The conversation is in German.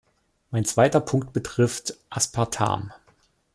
Mein zweiter Punkt betrifft Aspartam.